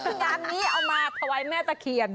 งานนี้เอามาถวายแม่ตะเคียน